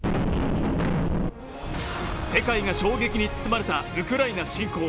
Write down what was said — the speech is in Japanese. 世界が衝撃に包まれたウクライナ侵攻。